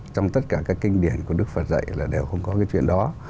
trong tất cả các kinh điển của đức phật dạy là đều không có cái chuyện đó